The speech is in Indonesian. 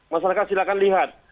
masyarakat silahkan lihat